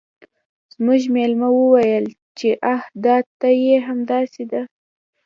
زموږ میلمه وویل چې آه دا ته یې همداسې ده